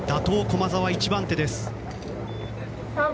駒澤１番手です。